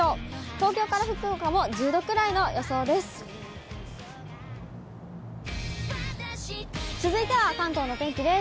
東京から福岡も１０度くらいの予想です。